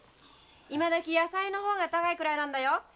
今どき野菜の方が高いくらいなんだよ。